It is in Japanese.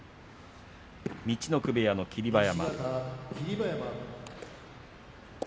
陸奥部屋の霧馬山。